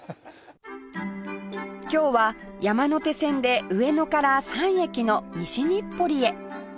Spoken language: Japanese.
今日は山手線で上野から３駅の西日暮里へ